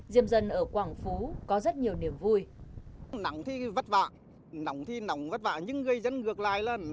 diêm dân ở quảng phú có rất nhiều niềm vui